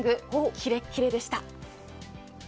キレキレでした。